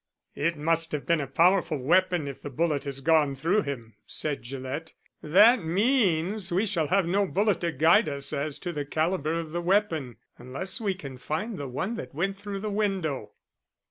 "It must have been a powerful weapon if the bullet has gone through him," said Gillett. "That means we shall have no bullet to guide us as to the calibre of the weapon, unless we can find the one that went through the window."